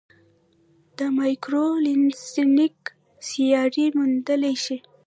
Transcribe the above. د مایکرو لینزینګ سیارې موندلای شي.